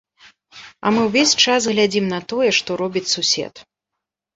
А мы ўвесь час глядзім на тое, што робіць сусед.